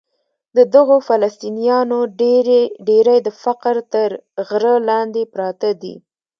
د دغو فلسطینیانو ډېری د فقر تر غره لاندې پراته دي.